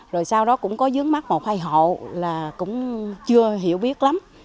rồi sau đó cũng có dướng mắt một hai hộ là cũng chưa hiểu biết lắm